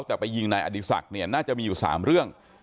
แต่ไปยิงนายอดีศักดิ์เนี่ยน่าจะมีอยู่๓เรื่อง